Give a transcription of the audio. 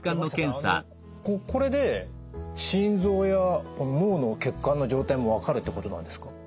あのこれで心臓や脳の血管の状態も分かるってことなんですか？